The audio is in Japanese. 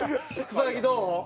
草薙どう？